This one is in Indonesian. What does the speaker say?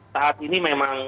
saat ini memang